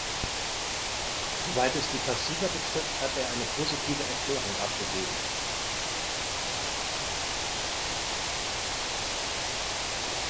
Soweit es die Passiva betrifft, hat er eine positive Erklärung abgegeben.